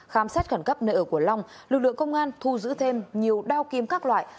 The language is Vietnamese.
khám xét khẩn cấp nơi ở của long lực lượng công an thu giữ thêm nhiều đao kim các loại